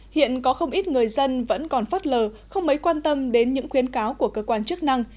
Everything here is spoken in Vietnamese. hiện có không ít người dân vẫn còn phất lờ không mấy quan tâm đến những khuyến cáo của cơ quan chức năng